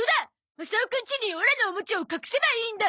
マサオくんちにオラのおもちゃを隠せばいいんだ！